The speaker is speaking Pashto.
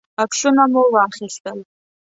عکسونه مو واخیستل.